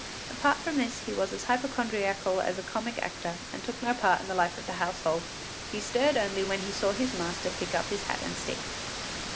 Apart from this he was as hypochondriacal as a comic actor and took no part in the life of the household. He stirred only when he saw his master pick up his hat and stick.